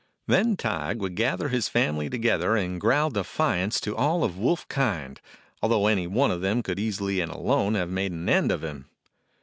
Then Tige would gather his family to gether and growl defiance to all of wolf kind, although any one of them could easily and alone have made an end of him.